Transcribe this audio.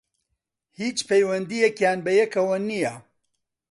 هیچ پەیوەندییەکیان بەیەکەوە نییە